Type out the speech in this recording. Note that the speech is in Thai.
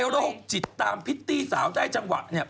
ข้าเรอะคจิตตามพิตตี้สาวใจจังหวะเนี่ย